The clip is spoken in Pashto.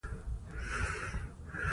چنګلونه د افغانانو د ګټورتیا برخه ده.